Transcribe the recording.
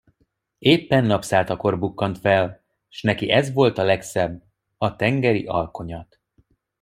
Éppen napszálltakor bukkant fel, s neki ez volt a legszebb, a tengeri alkonyat.